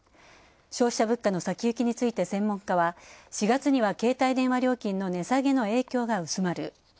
消費者物価の先行きについて専門家は４月には携帯電話料金の影響が薄まる。